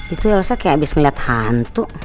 itu harusnya kayak abis ngeliat hantu